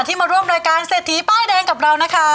ที่มาร่วมร้อยการเศษนีใบ้เดนกับเรานะฮะขอบคุณค่ะ